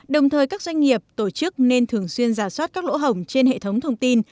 đồng thời các doanh nghiệp tổ chức nên thường xuyên giả soát các lỗ hổng trên hệ thống thông tin